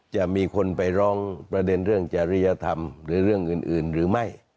จะมีคนไปร้องประเด็นเรื่องจริยธรรมหรือเรื่องอื่นหรือไม่